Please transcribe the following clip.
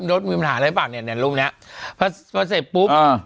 รถมีปัญหาอะไรป่ะเนี่ยเนี้ยรูปเนี้ยพอพอเสร็จปุ๊บอ่า